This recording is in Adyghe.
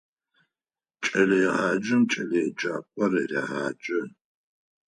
Кӏэлэегъаджэм кӏэлэеджакӏор регъаджэ.